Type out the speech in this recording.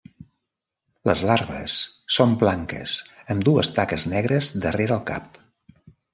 Les larves són blanques amb dues taques negres darrere el cap.